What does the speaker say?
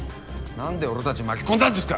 なんで俺たち巻き込んだんですか。